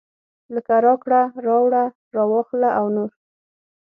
لکه راکړه راوړه راواخله او نور.